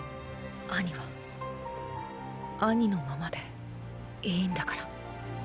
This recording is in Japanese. アニはアニのままでいいんだから。